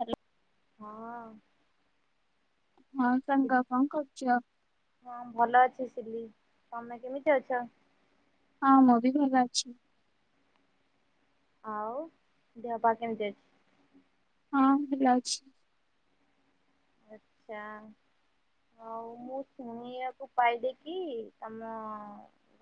Hello. ହଁ। ହଁ ସାଙ୍ଗ କଁ କରୁଚ? ହଁ ଭଲ ଅଛି ସିଲି ତମେ କେମିତି ଅଛ? ହଁ ମୁଁ ବି ଭଲ ଅଛି। ଆଉ ଦେହ ପା କେମିତି ଅଛି? ହଁ ଭଲ ଅଛି। ଆଚା। ଆଉ ମୁଁ ଶୁଣିଆକୁ ପାଇଲିକି ତମ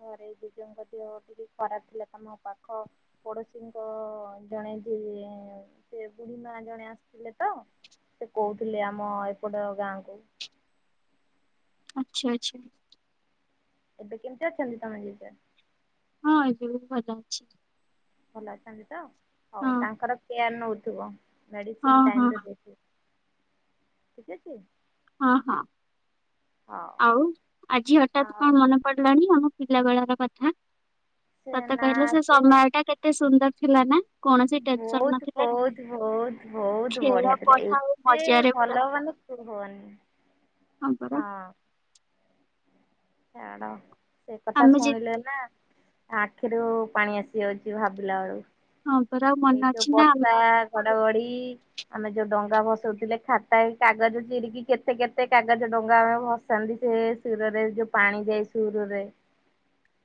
ଘରେ ଜେଜ ଙ୍କ ଦିହ ଟିକେ ଖରାପ ଥିଲା ତମ ପାଖ ପଡୋଶୀଙ୍କ ଜଣେ ଜିଏ ସେ ବୁଢୀ ମା ଜଣେ ଆସିଥିଲେ ତ। ସେ କହୁଥିଲେ ଆମ ଏପଟ ଗାଁ କୁ। ଆଚ୍ଛା ଆଛା। ଏବେ କେମତି ଅଛନ୍ତି, ତମ ଜେଜ? ହଁ ଏବେ ଭଲ [unintelligible] ଅଛି। ଭଲ ଅଛନ୍ତି ତ ହଉ ହଁ ତାଙ୍କର କେୟାର ନଉଥିବ ହଁ ମେଡିସିନ ହଁ ଟାଇମରେ ଦୋଉଥିବ। ଠିକ୍ ଅଛି। ହଁ ହଁ, ହଉ। ଆଉ ଆଜି ହଠାତ୍ ଆଉ କଣ ମନ ପଡିଲାଣି ଆମ ପିଲାବେଳାର କଥା ସେ ସତ ନା କହିଲ ସେ ସମୟ ଟା କେ କେତେ ସୁନ୍ଦର ଥିଲା ନା? କୌଣସି ଟେନସନ ବହୁତ ନଥିଲା। ବହୁତ ବହୁତ ବହୁତ ଖେଳ ବଢିଆ ଥିଲା ପଢା ଆଉ ଏତେ ମଜାରେ ପୁରା ଭଲ ମାନେ [unintelligible] ହଁ ପରା। ଛାଡ ସେ କଥା ଆମେ ଯେ ଶୁଣିଲେ ନା ଆଖିରୁ ପାଣି ଆସି ଯାଉଛି ଭାବିଲା ବେଳୁ। ହଁ ପରା ଆଉ ଏଇ ମନେ ଯୋଉ ଅଛି ନା ଆମେ ବର୍ଷା ଘଡଘଡି ଆମେ ଯୋଉ ଡଙ୍ଗା ଭସଉଥିଲେ ଖାତା କାଗଜ ଚିରିିକି କେତେ କେତେ କାଗଜ ଡଙ୍ଗା ଆମେ ଭସ ଚନ୍ତି ସେ ସୁର ରେ ଯୋଉ ପାଣି ଯାଏ ସୂର୍ ରେ।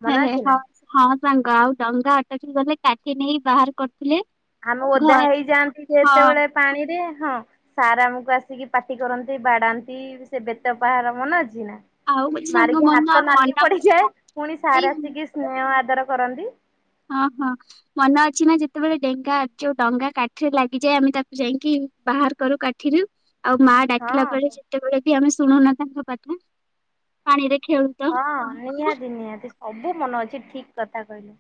ହଁ ହଁ ସାଙ୍ଗ ଆଉ ଡଙ୍ଗା ଅଟକି ଗଲେ କାଠି ନେଇ ବାହାର କରିଥିଲେ। ଆମେ ଓଦା ହେଇଯାଆନ୍ତି ଯେତେବେଳେ ପାଣିରେ ହଁ ସାର୍ ଆମକୁ ଆସିକି ପାଟି କରନ୍ତି ବାଡାନ୍ତି। ସେ ବେତ ପାହାର ମନେ ଅଛି ନା? ଆଉ ଗୋଟେ ସାଙ୍ଗ ମାରିକି ମନ ହାତ ମନ ନାଲି ପଡିଯାଏ ପୁଣି ଏଇ ସାର ଆସିକି ସ୍ନେହ ଆଦର କରନ୍ତି। ହଁ ହଁ। ମନେ ଅଛି ନା ଯେତେବେଳେ ଡେଙ୍ଗା ଯୋଉ ଡଙ୍ଗା କାଠିରେ ଲାଗିଯାଏ ଆମେ ତାକୁ ଯାଇକି ବାହାର କରୁ କାଠିରୁ। ଆଉ ମାଆ ଡାକିଲା ହଁ ବେଳେ ସେତେବେଳେ ବି ଆମେ ଶୁଣୁନା ତାଙ୍କ କଥା, ପାଣିରେ ଖେଳୁ ତ ହଁ ନିହାତି ନିହାତି ସବୁ ମନେ ଅଛି, ଠିକ କଥା କହିଲୁ।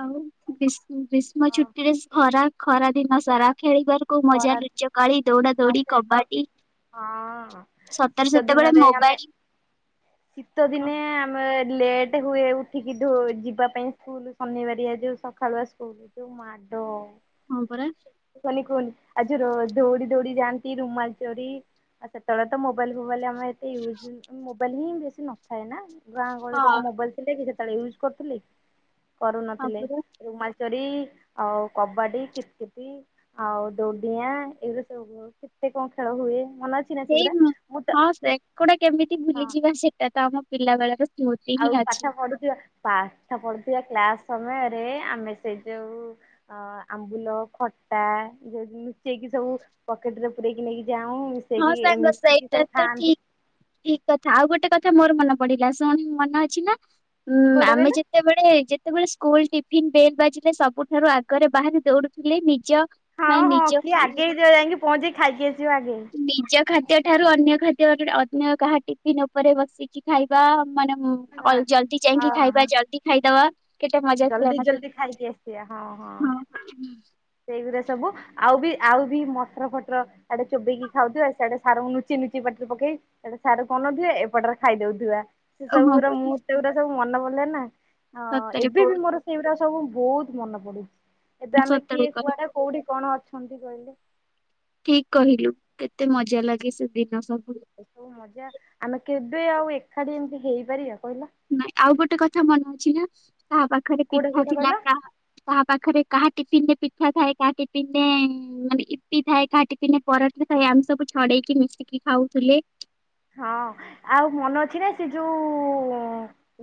ଆଉ ଗ୍ରୀଷ୍ ଗ୍ରୀଷ୍ମ ହଁ ଛୁଟିରେ ଖରା ଖରା ଦିନ ସାରା ଖେଳିବାର କୁ ମଜା ଖରା ଲୁଚ କାଳି, ଦୌଡା ହଁ ଦୌଡି ସେ କ କବାଡି। ହଁ ସତରେ ଶୀତ ସେତେବେଳେ ଦିନରେ ଆମେ ମୋବାଇଲ ଶୀତ କ ଦିନେ ଆମେ ଲେଟ ହୁଏ ଉଠିକି ଢୋ ଯିବା ପାଇଁ ସ୍କୁଲ। ଶନିବାରିଆ ଯୋଉ ସକାଳୁଆ ସ୍କୁଲ ଯୋଉ ମାଡ଼। ହଁ ପରା। ନି କୁହନି ଆଜି ର ଦୌଡି ଦୌଡି ଯାଆନ୍ତି ରୁମାଲ ଚୋରି ଆଉ ସେତେବେଳେ ତ ମୋବାଇଲ ଫୋବାଇଲ ବୋଲି ଆମର ଏତେ ୟୁଜ ମୋବାଇଲ ହିଁ ବେଶୀ ନଥାଏ ନା। ଗାଁ ଗହଳିରେ ହଁ। କଣ ମୋବାଇଲ ଥିଲା କି ସେତେବେଳେ ୟୁଜ କରୁଥିଲେ ହଁ କରୁନଥିଲେ ପରା ରୁମାଲ ଚୋରି ଆଉ କବାଡି କିତକିତ୍ ଆଉ ଦଉଡିଆଁ ଏଗୁରା ସବୁ କେତେ କଣ ଖେଳ ହୁଏ ମନେ ଅଛି। ନା ସେଇ ସେଗୁରା ମୁଁ ତ ହଁ ସେଗଡା କେମିତି ହଁ ଭୁଲିଯିବା ସେଟା ତ ଆମ ପିଲା ବେଳର ସ୍ମୃତି ହିଁ ଆଉ ଅଛି। ପାଠ ପଢୁଥିବା ପାଠ ପଢୁଥିବା କ୍ଲାସ ସମୟରେ ଆମେ ସେ ଯୋଉ ଅ ଆମ୍ବୁଲ ଖଟା ଯୋଉ ଲୁଚେଇକି ସବୁ ପକେଟରେ ପୁରେଇକି ନେଇକି ଯାଉଁ ହଁ ମିଶେଇକି ସାଙ୍ଗ ମିଶିକି ସେଇଟା ସବୁ ତ ଖାଆନ୍ତି ଠିକ। ଠିକ କଥା ଆଉ ଗୋଟେ କଥା ମୋର ମନେ ପଡିଲା ଶୁଣି ମନେ ଅଛି ନା ଉଁ କୋଉଟା ଆମେ କହିଲେ? ଯେ ଯେତେବେଳେ ଯେତେବେଳେ ସ୍କୁଲ ଟିଫିନ୍ ବେଲ ବାଜିଲେ ସବୁଠାରୁ ଆଗରେ ବାହାରି ଦୌଡୁଥିଲେ ନିଜ ହଁ ମାନେ ହଁ ନିଜ କିଏ ଆଗେଇ ଯ ଯାଇକି ପହଞ୍ଚିକି ଖାଇକି ଆସିବ ଆଗେଇ ନିଜ ଖାଦ୍ୟ ଠାରୁ ଅନ୍ୟ ଖାଦ୍ୟ ଅନ୍ୟ କାହା ଟିଫନ୍ ଉପରେ ବସିକି ଖାଇବା ମାନେ ହଁ ଜଲଦି ଯାଇକି ହଁ ହଁ ଖାଇବା ଜଲଦି ଖାଇଦବା। କେତେ ମଜା ଥିଲା ଜଲ୍ଦି ନା ଜଲ୍ଦି ସେଦିନ ଖାଇକି ଆସିବା ହଁ ହଁ। ସେଇଗୁରା ସବୁ ଆଉ ବି ଆଉ ବି ମଟର ଫଟର ଆଡେ ଚୋବେଇକି ଖାଉଥିବା ଆଉ ସେଆଡେ ସାର ଲୁଚି ନୁଚି ପାଟିରେ ପକେଇ। ସିଆଡ଼େ ସାରକୁ ଅନଉଥିବା ଏପଟରେ ଖାଇଦଉଥିବା। ସେ ହଁ ହଁ ସବୁୁରା ପରା ମୁହୂର୍ତ୍ତ ଗୁଡା ସବୁ ମନେ ପଲେ ନା ସତରେ ଏବେ ବି ବହୁତ ମୋର ସେଇଗୁଡା ସବୁ ବହୁତ ମନେ ପଡୁଛି। ଏବେ ଆମେ ସତ କଥା। [unintelligible] କୋଉଠି କଣ ଅଛନ୍ତି କହିଲେ। ଠିକ କହିଲୁ କେତେ ମଜା ଲାଗେ ସେ ଦିନ ସବୁ। ଏ ସବୁ ମଜା ଆମେ କେବେ ଆଉ ଏକାଠି ଏମିତି ହେଇପାରିବା କହିଲ। ନାଇଁ ଆଉ ଗୋଟେ କଥା ମନେ ଅଛି ନା କାହା ପାଖରେ କୋଉଟା ପିଠା କୋଉଟା ଥିଲା କହିଲ କାହା କାହା ପାଖରେ କାହା ଟିଫିନରେ ପିଠା ଥାଏ କାହା ଟିଫିନ ରେ ମାନେ ଇପି ଥାଏ କାହା ଟି ଟିପିନ ରେ ପରଟାଥାଏ ଆମେ ସବୁ ଛଡେଇକି ମିଶିକି ଖାଉଥିଲେ। ହଁ ଆଉ ମନ ଅଛି ନା ସେ ଯୋଉ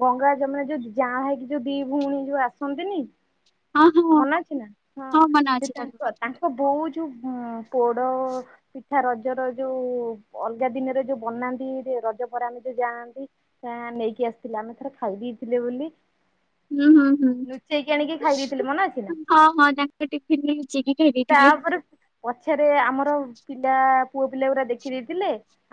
ଗଙ୍ଗା ଯମୁନା ଯୋଉ ଜାଆଁଳା ହେଇକି ଯୋଉ ଦି ଭଉଣୀ ଯୋଉ ଆସନ୍ତିନି। ହଁ ହଁ ମନ ଅଛି ନା ହଁ ମନେ ସେ ଅଛି ତାଙ୍କ କଥା। ତାଙ୍କ ବୋଉ ଯୋଉ ପୋଡ ପିଠା ରଜର ଯୋଉ ଅଲଗା ଦିନରେ ଯୋଉ ବନାନ୍ତି ରଜପରେ ଆମେ ଯୋଉ ଯାଆନ୍ତି। ତା ନେଇକି ଆସିଥିଲେ ଆମେ ଥରେ ଖାଇ ଦେଇଥିଲେ ବୋଲି। ହୁଁ ହୁଁ ହୁଁ ଲୁଚେଇକି ଆଣିକି ଖାଇ ଦେଇଥିଲେ ମନେ ଅଛି ନା। ହଁ ହଁ ତାଙ୍କ ଟିଫିନ ନେଇ ଚିକି ଖାଇ ଦିଏ। ତାପରେ ପଛରେ ଆମର ପିଲା ପୁଅ ପିଲା ଗୁରା ଦେଖିଦେଇଥିଲେ।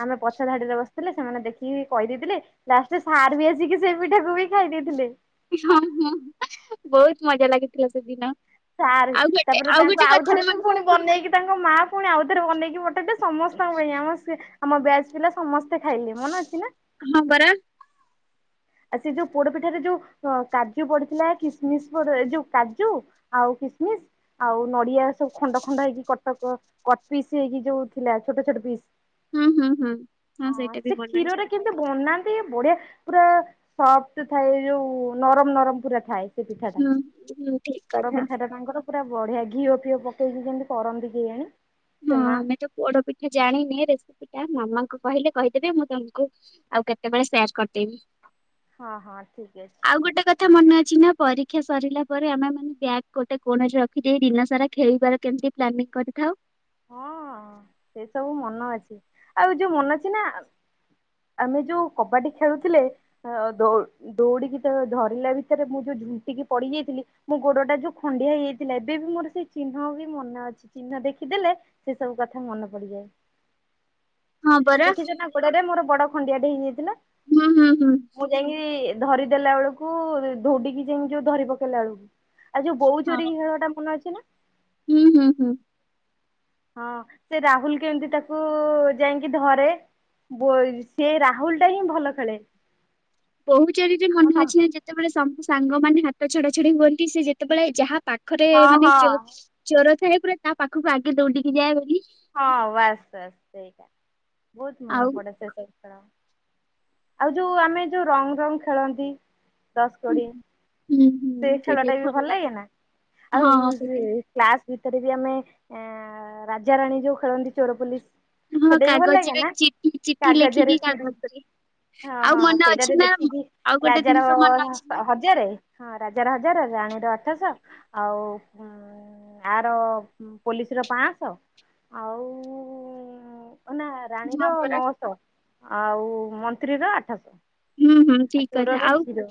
ଆମେ ପଛ ଧାଡିରେ ବସିଥିଲେ ସେମାନେ ଦେଖିକି କହିଦେଇଥିଲେ। ଲାଷ୍ଟରେ ସାର୍ ବି ଆସିକି ସେ ପିଠାକୁ ବି ଖାଇ ଦେଇଥିଲେ। ହ ହଁ ବହୁତ ମଜା ଲାଗିଥିଲା ସେଦିନ। ସାର୍ ଆଉ ଗୋଟେ ତାପରେ ଆଉ ତାଙ୍କୁ ଗୋଟେ କଥା ଆଉଥରେ ବି ମନେ ପୁଣି ବନେଇକି ତାଙ୍କ ମା ପୁଣି ଆଉଥରେ ବନେଇକି ପଠେଇଲେ ସମସ୍ତଙ୍କ ପାଇଁ ଆମ ସେ ଆମ ବ୍ୟାଚ ପିଲା ସମସ୍ତେ ଖାଇଲେ ମନେ ଅଛି ନା। ହଁ ପରା। ଆଉ ସେ ଯୋଉ ପୋଡପିଠାରେ ଯୋଉ କାଜୁ ପଡିଥିଲା କିସମିସ ପଡ ଏ ଯୋଉ କାଜୁ ଆଉ ଖିସମିସ୍। ଆଉ ନଡିଆ ସବୁ ଖଣ୍ଡ ଖଣ୍ଡ ହେଇକି କଟ କଟ ପିସ୍ ହେଇକି ଯୋଉ ଥିଲା ଛୋଟ ଛୋଟ ପିସ୍। ହୁଁ ହୁଁ ହୁଁ ହଁ ସେଇଟା ବି ସେ ମନେ ଅଛି କ୍ଷୀରରେ କିନ୍ତୁ ବନାନ୍ତି ବଢିଆ ପୁରା ସଫ୍ଟ ଥାଏ ଯୋଉ ନରମ ନରମ ପୁରା ଥାଏ। ସେ ପିଠାଟା, ହୁଁ ହୁଁ ଠିକ ପୋଡ କଥା। ପିଠାଟା ତାଙ୍କର ପୁରା ବଢିଆ ଘିଅ ଫିଅ ପକେଇକି କେମତି କରନ୍ତି କେ ଯାଣି। ହଁ ଆମେ ତ ପୋଡ ପିଠା ଜାଣିନି ରେସିପି ଟା ମାମାଙ୍କୁ କହିଲେ କହିଦେବେ ମୁଁ ତମକୁ ଆଉ କେତେବେଳେ ସେୟାର କରିଦେବି। ହଁ ହଁ ଠିକ ଅଛି। ଆଉ ଗୋଟେ କଥା ମନେ ଅଛି ନା ପରୀକ୍ଷା ସରିଲା ପରେ ଆମେ ଆମ ବ୍ୟାଗ୍ ଗୋଟେ କୋଣ ରେ ରଖିଦେଇ ଦିନ ସାରା ଖେଳିବାର କେମିତି ପ୍ଲାନିଂ କରିଥାଉ। ହଁଅ। ସେ ସବୁ ମନ ଅଛି, ଆଉ ଯୋଉ ମନ ଅଛି ନା? ଆମେ ଯୋଉ କବାଡି ଖେଳୁଥିଲେ, ଅ ଦୋ ଦୌଡ଼ିକି ତ ଧରିଲା ଭିତରେ ମୁଁ ଯୋଉ ଝୁଣ୍ଟିକି ପଡି ଯାଇଥିଲି ମୋ ଗୋଡଟା ଯୋଉ ଖଣ୍ଡିଆ ହେଇଯାଇଥିଲା ଏବେ ବି ମୋର ସେଇ ଚିହ୍ନ ବି ମନେ ଅଛି। ଚିହ୍ନ ଦେଖିଦଲେ ସେ ସବୁ କ ମନେ ପଡିଯାଏ ହଁ ପରା ଦେଖିଛ ନା ଗୋଡରେ ମୋର ବଡ ଖଣ୍ଡିଆ ଟେ ହେଇଯାଇଥିଲା? ହୁଁ ହୁଁ ହୁଁ। ମୁଁ ଯାଇକି ଧରିଦେଲା ବେଳକୁ ଧୌଡିକି ଯାଇକି ଯୋଉ ଧରି ପକେଇଲା ବେଳକୁ ଆଉ ଯୋଉ ବୋହୂ ହଁ ଚୋରୀ କି ଖଳ ଟା ମନେ ଅଛି ନା? ହୁଁ ହୁଁ ହୁଁ। ହଁ ସେ ରାହୁଲ କେମିତି ତାକୁ ଯାଇକି ଧରେ? ବୋର୍ ସେ ରାହୁଲ ଟା ହିଁ ଭଲ ଖେଳେ। ବୋହୂ ଚାରୀରେ ଆମ ମନେ ଅଛି ନା ଯେତେବେଳେ ସବୁ ସାଙ୍ଗ ମାନେ ହାତ ଛଡା ଛଡି ହୁଅନ୍ତି ସେ ଯେତେବେଳେ ଯାହା ପା ଖରେ ହଁ ମାନେ ହଁ ଚୋ ଚୋର ଥାଏ ପୁରା ତା ପାଖକୁ ଆଗେ ଦୌଡିକି ଯାଏ ବୋଲି। ହଁ ବାସ୍ ବାସ୍ ସେଇଟା, ବହୁତ ମନେ ଆଉ ପଡେ ସେ ସବୁ। ଆଉ ଯୋଉ ଆମେ ଯୋଉ ରଙ୍ଗ ରଙ୍ଗ ଖେଳନ୍ତି ଦଶ ହୁଁ କୋଡିଏ ସେ ଖେଳ ଟା ବି ଭଲ ଲାଗେ ନା? ଆଉ ହଁ ସେ ସେଇଟା କ୍ଲାସ ଭିତରେ ବି ଆମେ ରାଜାରାଣୀ ଯୋଉ ଖେଳନ୍ତି ଚୋରପୋଲିସ? ହଁ ସେଇଟା ବି ଭଲ କାଗଜରେ ଲାଗେନା, ଚିଠି ଚିଠି କାଗଜରେ ଲେଖିକି ଚିରି କାଗଜରେ ହଁ ଆଉ ହଁ ମନେ ଅଛି ସେଇଟାରେ ନା ଲେଖିକି ଆଉ ଗୋଟେ ରାଜାର ଜିନିଷ ମନେ ଅଛି ନା ସ ହ ହଜାର ହଁ ରାଜାର ହଜାର ରାଣୀର ଅଠଶହ ଆଉ ଆର ପୋଲିସ ର ପାଁଶହ ଆଉ ନା ରାଣୀର ହଁ ପରା ନଅଶହ। ଆଉ ମନ୍ତ୍ରୀ ର ଆଠଶହ। ହୁଁ ହୁଁ ଆଉ ଠିକ ଚୋରର କଥା ଆଉ? ଜିରୋ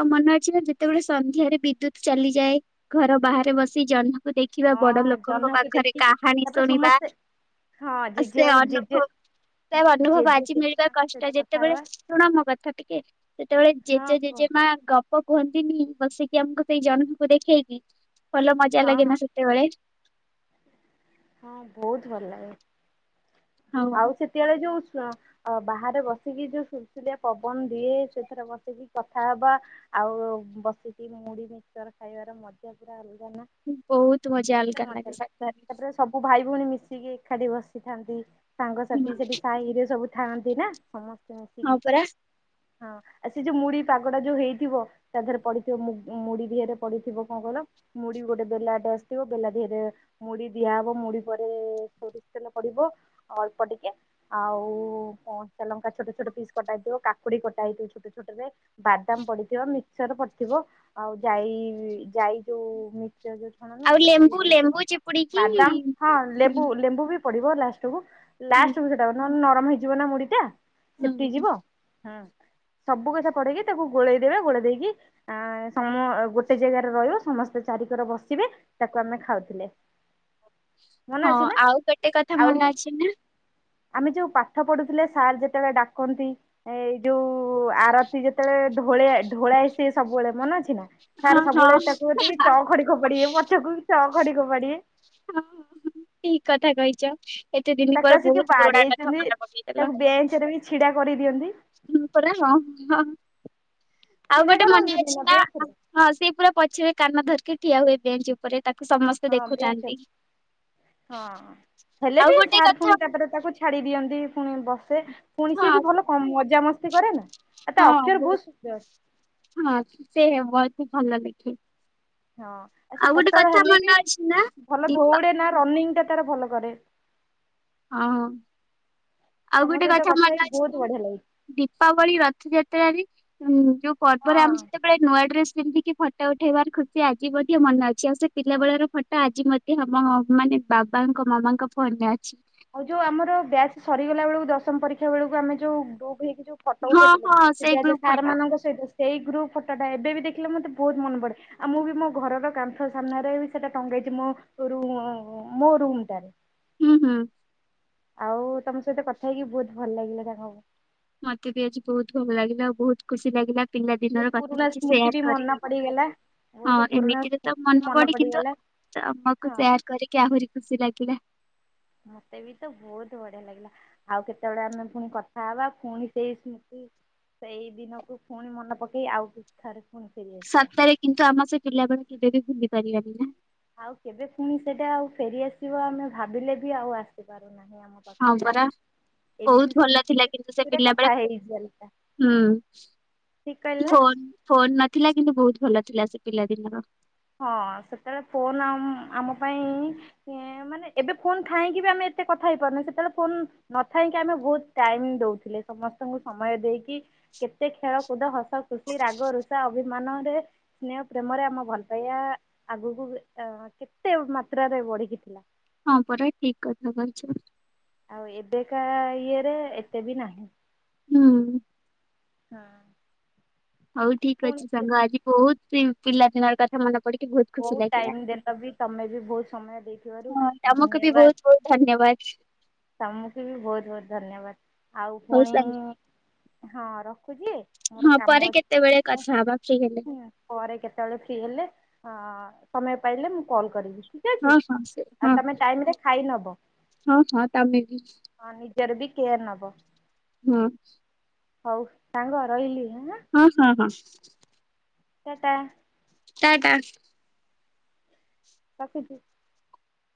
ଆଉ ମନେ ଅଛି ନା ଯେତେବେଳେ ସନ୍ଧ୍ୟାରେ ବିଦ୍ୟୁତ ଚାଲିଯାଏ ଘର ବାହାରେ ବସି ଜହ୍ନ ଦେଖିବା ବଡ ହଁ ଲୋକଙ୍କ ଜହ୍ନକୁ ପାଖରେ ଦେଖିକି କାହାଣୀ ତାପରେ ଶୁଣିବା। ସମସ୍ତେ ହଁ ଜେଜେ ଆଉ ଜେଜେ ତା ଅନୁଭବ ଜେଜେ ଆଜି ମିଳିବା ଜେଜେମାଙ୍କ କଷ୍ଟ ସହିତ କଥା ଯେତେବେଳେ ହେବା ଶୁଣ ମୋ କଥା ଟିକେ ସେତେବେଳେ ହଁ ଜେଜେ କୁହ ଜେଜେମା ମା ଗପ କୁହନ୍ତିନି ବସେଇକିି ଆମକୁ ସେଇ ଜନ୍ମକୁ ଦେଖେଇକି। ଭଲ ମଜା ହଁ ଲାଗେନା ସେତେବେଳେ? ହଁ ବହୁତ ଭଲ ଲାଗେ, ହଁ ଆଉ ସେତେବେଳେ ଯୋଉ ଛ ଅ ବାହାରେ ବସିକି ଯୋଉ ସୁସୁଲିଆ ପବନ ଦିଏ ସେଥିରେ ବସିକି କଥା ହବା ଆଉ ବସିକି ମୁଢ ମିକଚର ଖାଇବାର ମଜା ପୁରା ଅଲଗା ନା। ବହୁତ ମଜା କେତେ ଅଲଗା ମଜା ଲାଗେ ସତରେ। ତାପରେ ସବୁ ଭାଇ ଭଉଣୀ ମିଶିକି ଏକାଠି ବସିଥାନ୍ତି ସାଙ୍ଗସାଥି ହଁ ସେଠି ସାହିରେ ସବୁ ଥାନ୍ତି ନା ସମସ୍ତେ ମିଶିକି ପରା ହଁ। ଆଉ ସେ ଯୋଉ ମୁଢ ପାଗଡା ଯୋଉ ହେଇଥିବ ତା ଦେହରେ ପଡିଥିବ ମୁ ମୁଢି ଦିହରେ ପଡିଥିବ କଣ କହିଲ ମୁଢ ଗୋଟେ ବେଲାଟେ ଆସିଥିବ ବେଲା ଦେହରେ ମୁଢି ଦିଆହବ ମୁଢି ପରେ ସୋରିଷ ତେଲ ପଡିବ ଆଉ ଅଳ୍ପ ଟିକେ ଆଉ କଞ୍ଚା ଲଙ୍କା ଛୋଟ ଛୋଟ ପିସ୍ କଟା ହେଇଥିବ କାକୁଡି କଟା ହେଇଥିବ ଛୋଟ ଛୋଟ ରେ। ବାଦାମ ପଡିଥିବ ମିକ୍ସଚର ପଡିଥିବ ଆଉ ଯାଇ ଯାଇ ଯୋଉ ଯୋଉ ଛଣ ନୁହ ଆଉ ସେଟା ବି ଲେମ୍ବୁ ବଢିଯିବ ଲେମ୍ବୁ ଚିପୁଡିକି ବାଦାମ ହଁ ଲେମ୍ବୁ ଲେମ୍ବୁ ବି ପିଦିବ ଲାଷ୍ଟ କ ଲାଷ୍ଟ କୁ ସେଟା ନହେଲେ ନରମ ହେଇଯିବ ନା ମୁଢିଟା ସିପି ଯିବ। ହୁଁ ସବୁ କଥା ପଡିକି ତାକୁ ଗୋଳେଇଦବେ ଗୋଳେଇ ଦେଇକି ଆ ସମ ଗୋଟେ ଜାଗାରେ ରହିବ ସମସ୍ତେ ଚାରିିକର ବସିବେ ତାକୁ ଆମେ ଖାଉଥିଲେ। ମନେ ହଁ ଅଛି ନା ଆଉ ଗୋଟେ କଥା ଆଉ ମନେ ଅଛି ନା। ଆମେ ଯୋଉ ପାଠ ପଢୁଥିଲେ ସାର୍ ଯେତେବେଳେ ଡାକନ୍ତି ଏଇ ଯୋଉ ଆରତି ଯେତେବେଳେ ଢୋଳଏ ଢୋଳାଏ ସେ ସବୁବେଳେ ମନେ ଅଛି ନା। ହଁ ସାର୍ ହଁ। ସବୁବେଳେ ତା କତିକି ଚ ଖଡି ଫପାଡିବେ ପଛକୁ ଚ ଖଡି ଫପାଡିବେ। ହଁ ହ ହ ଠିକ କଥା କହିଛ। ଏତେ ଦିନ ତାକୁ ପରେ ଆସିକି ବହୁତ ପୁରୁଣାା କଥା ମନେ ପକେଇଦେଲ। ସେତେବେଳେ କେମିତି ଛିଡ଼ା କରେଇ ଦିଅନ୍ତି। ହଁ ପରା ହଁ ହ ଆଉ ଛିଡା ଗୋଟେ ମନେ କରନ୍ତିନି ଅଛି ନା ବେଞ୍ଚରେ ହଁ ସେ ପୁରା ପଛରେ କାନ ଧରିକି ଠିଆ ହୁଏ ବେଞ୍ଚ ଉପରେ ତାକୁ ସମସ୍ତେ ହଁ ବେଞ୍ଚ ଦେଖୁଥାନ୍ତି। ହଁ ହେଲେ ଆଉ ବି ଗୋଟେ ସାର୍ କଥା ପୁଣି ତାପରେ ତାକୁ ଛାଡି ଦିଅନ୍ତି ପୁଣି ବସେ ପୁଣି ସିଏ ବି ହଁ ଭଲ କମ୍ ମଜାମସ୍ତି କରେ ନା। ଆ ତା ହଁ ଅକ୍ଷର ବହୁତ ବହୁତ୍ ସୁନ୍ଦର। ହଁ ସେ ହେବ ଏଠ ଭଲ ଲେଖେ। ହଁ ଆ ସେ ଆଉ ଗୋଟେ ପତଳା କଥା ହେଲେ ମନେ ବି ଅଛି ନା ଭଲ ଦୀପା ଦଉଡେ ନା ରନିଂ ଟା ତାର ଭଲ କରେ। ହଁ ହଁ ଆଉ ତମ ଗୋଟେ ସହିତ କଥା ମନେ ହେଇକି ଅଛି ବହୁତ ନା ଦି ବଢିଆ ଲାଗିଛି। ଦୀପାବଳି, ରଥଯାତ୍ରାରେ ଯୋଉ ପର୍ବରେ ଆମେ ସେତେବେଳେ ହଁ। ସେତେବେଳେ ନୂଆ ଡ୍ରେସ ପିନ୍ଧିକି ଫଟୋ ଉଠାଇବାର ଖୁସି ଆଜି ମଧ୍ୟ ମନ ଅଛି ଆଉ ସେ ପିଲା ବେଳର ଫଟୋ ଆଜି ଆଜି ମଧ୍ୟ ଆମ ମାନେ ବାବାଙ୍କ ମାମାଙ୍କ ଫୋନରେ ଅଛି। ଆଉ ଯୋଉ ଆମର ବ୍ୟାଚ ସରିଗଲା ବେଳକୁ ଦଶମ ପରୀକ୍ଷା ବେଳକୁ ଆମେ ଯୋଉ ଗ୍ରୁପ ହେଇକି ଯୋଉ ଫଟୋ ହଁ ଉଠେଇଥିଲେ ହଁ ସେି ସେଇ ବ୍ୟାଚର ଗ୍ରୁପ ସାର୍ ଫଟୋ ମାନଙ୍କ ସହିତ ସେଇ ଗ୍ରୁପ ଫଟୋଟା ଏବେ ବି ଦେଖିଲେ ମତେ ବହୁତ ମନ ପଡେ। ଆଉ ମୁଁ ବି ମୋ ଘରର କାନ୍ଥ ସାମ୍ନାରେ ବି ସେଟା ଟଙ୍ଗେଇଛି ମୋରୁମ୍ ମୋ ରୁମ ଟାରେ। ହୁଁ ହୁଁ। ଆଉ ତମ ସହିତ କଥା ହେଇକି ବହୁତ ଭଲ ଲାଗିଲା ଯାହାହେଉ। ମତେ ବି ଆଜି ବହୁତ ଭଲ ଲାଗିଲା ଆଉ ବହୁତ ଖୁସି ଲାଗିଲା। ପିଲା ବହୁତ ଦିନର କଥା ପୁରୁଣା କିଛି ସ୍ମୃତି ବି ସେୟାର ମନେ କରିବି। ପଡିଗଲା। ହଁ ବହୁତ ପୁରୁଣା ଏମିତିରେ ତ ସ୍ମୃତି ମନେ ପଡି କିନ୍ତୁ ପଡିଗଲା ତମକୁ ହଁ। ସେୟାର କରିକି ଆହୁରି ଖୁସି ଲାଗିଲା। ମତେ ବି ତ ବହୁତ ବଢିଆ ଲାଗିଲା। ଆଉ କେତେବେଳେ ଆମେ ପୁଣି କଥା ହବା ପୁଣି ସେଇ ସ୍ମୃତି ସେଇ ଦିନକୁ ପୁଣି ମନେ ପକେଇ ଆଉ ବି ଥରେ ପୁଣି ଫେରି ଆସିବା। ସତରେ କିନ୍ତୁ ଆମ ସେ ପିଲାବେଳେ କେବେ ବି ଭୁଲି ପାରିବାନି ନା। ଆଉ କେବେ ପୁଣି ସେଟା ଆଉ ଫେରିଆସିବ ଆମେ ଭାବିଲେ ବି ଆଉ ଆସ ାର ନାହିଁ ଆମ ହଁ ପାଖକୁ ପରା। ବହୁତ ଏମିତି ଭଲ ଥିଲା କିନ୍ତୁ ସେ ସ୍ମୃତିତିରେ ପିଲା ବେଳେ କଥା ହେଇଜା। ହୁଁ ଠିକ୍ କହିଲିନା। ଫୋନ୍ ନଥିଲା କିନ୍ତୁ ବହୁତ ଭଲ ଥିଲା ସେ ପିଲାଦିନର। ହଁ ସେତେବେଳେ ଫୋନ୍ ଆମ ପାଇଁ ମାନେ ଏବେ ଫୋନ୍ ଥାଇକି ବି ଆମେ ଏତେ କଥା ହେଇପାରୁନୁ ସେତେବେଳେ ଫୋନ୍ ନଥାଇକି ଆମେ ବହୁତ ଟାଇମ୍ ଦଉଥିଲେ ସମସ୍ତଙ୍କୁ ସମୟ ଦେଇକି କେତେ ଖେଳ କୁଦ ହସ ଖୁସି ରାଗ ରୁଷା ଅଭିମାନରେ ସ୍ନେହ ପ୍ରେମରେ ଆମ ଭଲ ଆଜ୍ଞା ଆଗକୁ କେତେ ମାତ୍ରାରେ ବଢିକି ଥିଲା। ହଁ ପରେ ଠିକ୍ କଥା କହିଛ। ଆଉ ଏବେକା ଇଏରେ ଏତେ ବି ନାହିଁ। ହଁ। ହଁ। ହୋଉ ଠିକ୍ ପୁଣି ଅଛି ସାଙ୍ଗ କେବେ ଆଜି ବହୁତ ପିଲାଦିନର କ ମନେ ପଡିକି ବହୁତ ଖୁସି ଲାଗିଲା ଟାଇମ୍ ଦେଲ ବି ତମେ ବି ବହୁତ ସମୟ ଦେଇଥିବାରୁ ହଁ ଆମକୁ ବି ଧନ୍ୟବାଦ। ବହୁତ ଧନ୍ୟବାଦ। ତମକୁ ବି ବହୁତ ବହୁତ ଧନ୍ୟବାଦ ଆଉ ହଉ ପୁଣି ସାଙ୍ଗ ହଁ ରଖୁଛି। ମୋର ହଁ କାମ ପରେ ଅଛି। କେତେବେଳେ କଥା ହବା ଫ୍ରୀ ହେଲେ। ହୁଁ ପରେ କେତେବେଳେ ଫ୍ରି ହେଲେ ହଁ ସମୟ ପାଇଲେ ମୁଁ କଲ୍ କରିବି। ଠିକ୍ ଅଛି ହଁ ହଁ ସେ ଆଉ ହଁ ତମେ ଟାଇମ୍ ରେ ଖାଇନବ। ହଁ ହଁ ତମେ ବି। ହଁ ନିଜର ବି କେୟାର ନବ ହଁ ହଉ ସାଙ୍ଗ ରହିଲି ହାଁ। ହଁ ହଁ ହଁ। ଟାଟା। ଟାଟା। ରଖୁଚି।